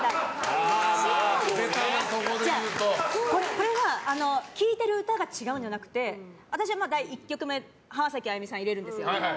これは聴いてる歌が違うんじゃなくて私は１曲目浜崎あゆみさん入れるんですよ。